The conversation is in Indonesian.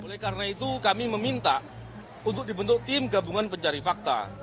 oleh karena itu kami meminta untuk dibentuk tim gabungan pencari fakta